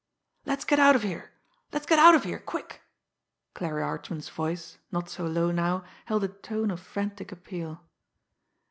"Let's get out of here! Let's get out of here quick!" Clarie Archman's voice, not so low now, held a tone of frantic appeal.